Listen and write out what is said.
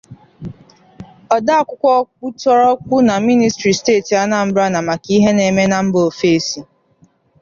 odeakwụkwọ ọkpụtọrọkpụ na mịnịstịrị steeti Anambra na-maka ihe na-eme na mba òfèsi